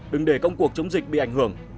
đừng để công cuộc chống dịch bị ảnh hưởng